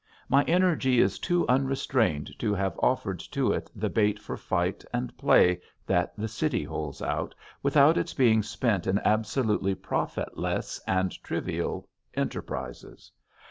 My energy is too unrestrained to have offered to it the bait for fight and play that the city holds out, without its being spent in absolutely profitless and trivial enterprises.